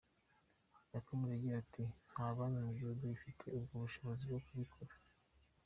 Yakomeje agira ati “Nta banki mu gihugu ifite ubwo bushobozi bwo kubikora.